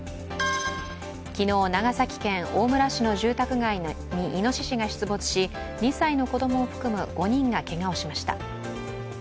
昨日、長崎県大村市の住宅街にいのししが出没し、２歳の子供を含む、５人がけがをしました。